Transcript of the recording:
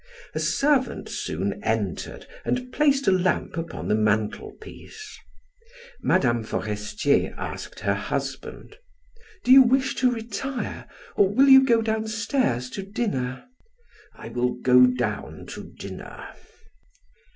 A servant soon entered and placed a lamp upon the mantel piece. Mme. Forestier asked her husband: "Do you wish to retire, or will you go downstairs to dinner?" "I will go down to dinner."